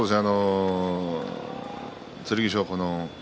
剣翔